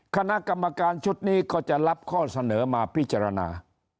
คณะกรรมการชุดนี้ก็จะรับข้อเสนอมาพิจารณา